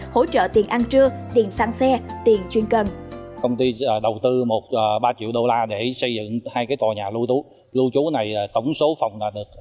hỗ trợ tiền ăn trưa tiền sang xe tiền chuyên cần